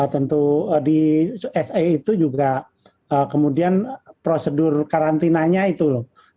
tentu di sa itu juga kemudian prosedur karantinanya itu loh